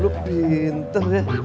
lo pinter ya